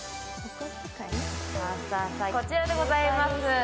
こちらでございます。